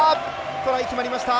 トライ決まりました。